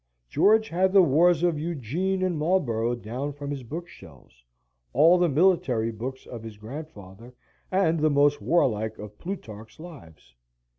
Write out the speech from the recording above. George had the wars of Eugene and Marlborough down from his bookshelves, all the military books of his grandfather, and the most warlike of Plutarch's lives.